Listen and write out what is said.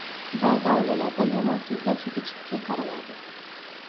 Baʼzi oilalarda “yomon so‘zlarga” juda jiddiy qaraladi